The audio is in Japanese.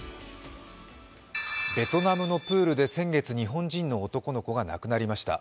ベトナムのプールで先月日本人の男の子が亡くなりました。